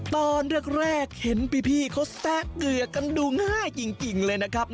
ตอนแรกเห็นพี่เขาแซะเกือกกันดูง่ายจริงเลยนะครับ